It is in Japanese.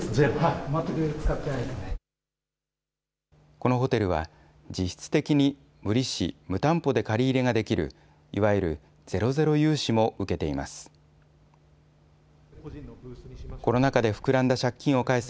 このホテルは、実質的に無利子・無担保で借り入れができる、いわゆるゼロゼロ融資も受けています。